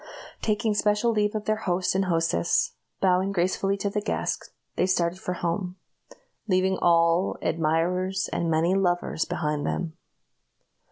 Taking special leave of their host and hostess, bowing gracefully to the guests, they started for home leaving all, admirers, and many lovers behind them.